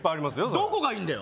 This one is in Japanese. どこがいいんだよ